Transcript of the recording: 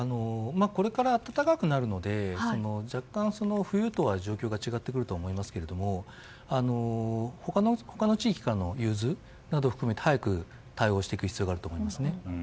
これから暖かくなるので若干冬とは状況が違ってくると思いますけど他の地域からの融通を含めて早く対応をしていく必要があると思いますね。